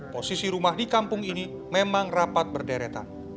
posisi rumah di kampung ini memang rapat berderetan